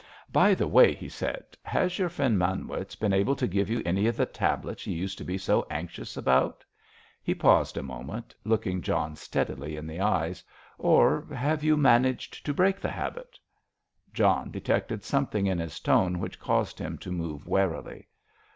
"By the way," he said, "has your friend Manwitz been able to give you any of the tablets you used to be so anxious about?" He paused a moment, looking John steadily in the eyes, "or have you managed to break the habit?" John detected something in his tone which caused him to move warily.